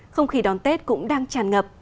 không khí đón tết cũng đang tràn ngập